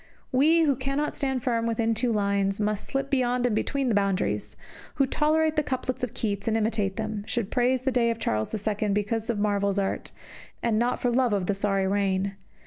We who cannot stand firm within two lines, but must slip beyond and between the boundaries, who tolerate the couplets of Keats and imitate them, should praise the day of Charles II because of Marvell's art, and not for love of the sorry reign.